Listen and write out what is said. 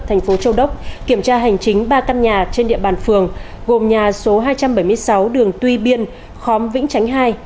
thành phố châu đốc kiểm tra hành chính ba căn nhà trên địa bàn phường gồm nhà số hai trăm bảy mươi sáu đường tuy biên khóm vĩnh chánh hai